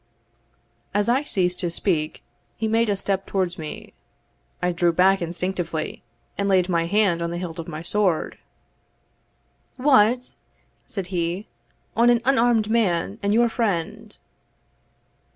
As I ceased to speak, he made a step towards me. I drew back instinctively, and laid my hand on the hilt of my sword. "What!" said he "on an unarmed man, and your friend?"